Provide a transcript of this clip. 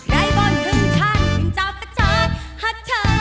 ใครบ่นถึงฉันถึงเจ้าแต่ฉันฮัตเชย